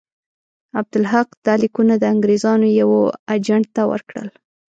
عبدالحق دا لیکونه د انګرېزانو یوه اجنټ ته ورکړل.